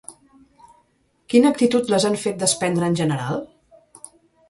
Quina actitud les han fet desprendre en general?